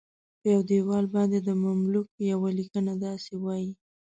په دیوال باندې د مملوک یوه لیکنه داسې وایي.